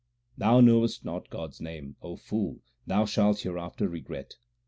Thou knowest not God s name ; O fool, thou shalt here after regret.